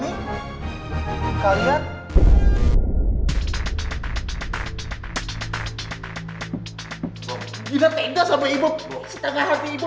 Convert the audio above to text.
tidak ada yang bisa dikira